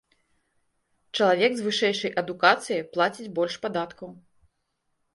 Чалавек з вышэйшай адукацыяй плаціць больш падаткаў.